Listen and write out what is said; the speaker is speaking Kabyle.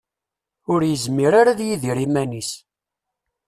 Ur yezmir ara ad yidir iman-is.